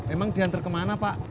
emang diantar kemana pak